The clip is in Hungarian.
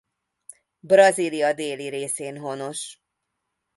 Brazília déli részén honos.